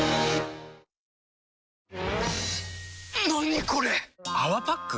何これ⁉「泡パック」？